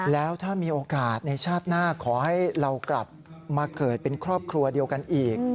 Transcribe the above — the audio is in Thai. แล้วถ้ามีโอกาสในชาติหน้าขอให้เรากลับมาเกิดเป็นครอบครัวเดียวกันอีก